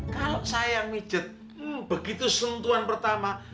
kalau saya yang pijet begitu sentuhan pertama